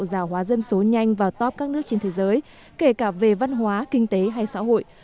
giả hóa dân số nhanh vào top các nước trên thế giới kể cả về văn hóa kinh tế hay xã hội